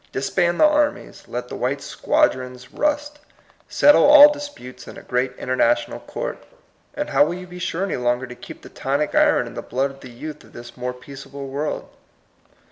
Disband the armies, let the White Squadrons rust, settle all disputes in a great international court, and how will you be sure any longer to keep the tonic iron in the blood of the youth of this more peaceable world?